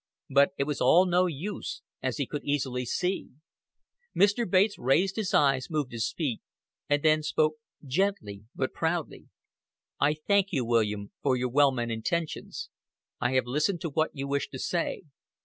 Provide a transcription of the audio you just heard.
But it was all no use, as he could easily see. Mr. Bates raised his eyes, moved his feet, and then spoke gently but proudly. "I thank you, William, for your well meant intentions. I have listened to what you wished to say.